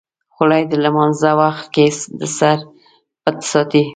خولۍ د لمانځه وخت کې د سر پټ ساتي.